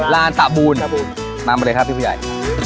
ร้านสะบูนนำไปเลยครับพี่ผู้ใหญ่